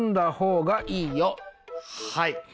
はい。